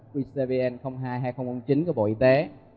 qcbn hai hai nghìn chín của bộ y tế